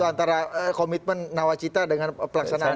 antara komitmen nawacita dengan pelaksanaan